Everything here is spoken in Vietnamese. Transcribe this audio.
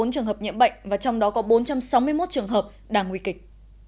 hai bảy trăm bốn mươi bốn trường hợp nhiễm bệnh và trong đó có bốn trăm sáu mươi một trường hợp đang nguy kịch